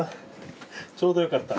ちょうどよかった。